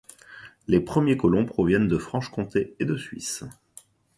Les premiers colons proviennent de Franche-Comté et de Suisse.